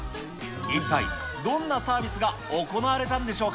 一体、どんなサービスが行われたんでしょうか。